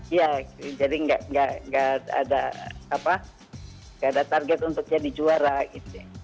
iya jadi nggak ada target untuk jadi juara gitu